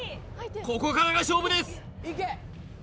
ここからが勝負です